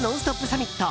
サミット。